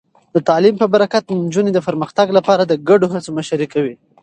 د تعلیم په برکت، نجونې د پرمختګ لپاره د ګډو هڅو مشري کوي.